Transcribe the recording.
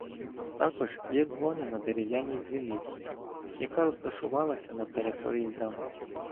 Також є дзвони на дерев'яній дзвіниці, яка розташувалася на території замку.